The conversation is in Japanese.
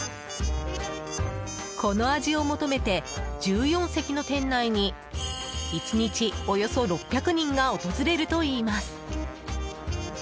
この味を求めて１４席の店内に１日およそ６００人が訪れるといいます。